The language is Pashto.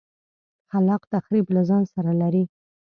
خلاق تخریب له ځان سره لري.